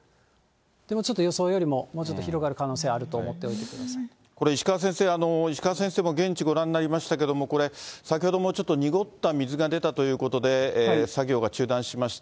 でもちょっと予想よりももうちょっと広がる可能性あると思っておこれ石川先生、石川先生も現地ご覧になりましたけれども、これ、先ほどもちょっと濁った水が出たということで、作業が中断しました。